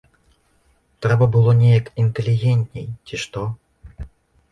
Трэба было неяк інтэлігентней, ці што.